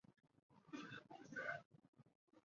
无刺猪笼草为藤本植物。